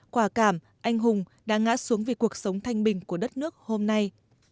quả cảm anh hùng đã ngã xuống vì cuộc sống thanh bình của đất nước hôm nay